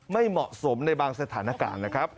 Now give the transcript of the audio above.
ไม่เหมาะสมในบางสถานการณ์นะครับ